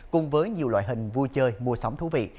cùng với nhiều loại hình vui chơi mùa sống thú vị